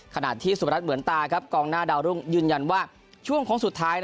ขนาดที่สุพระรัฐเหมือนตากองหน้าดาวนุ่งยืนยันว่าช่วงของสุดท้าย